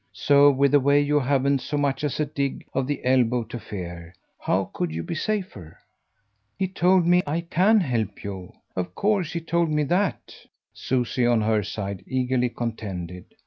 So, with the way you haven't so much as a dig of the elbow to fear, how could you be safer?" "He told me I CAN help you of course he told me that," Susie, on her side, eagerly contended.